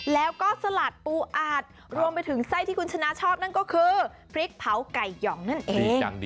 แล้วก็สลัดปูอาดรวมไปถึงไส้ที่คุณชนะชอบนั่นก็คือพริกเผาไก่ห่องนั่นเอง